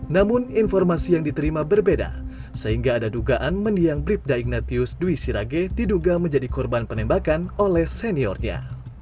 namun informasi yang diterima berbeda sehingga ada dugaan mendiang bribda ignatius dwi sirage diduga menjadi korban penembakan oleh seniornya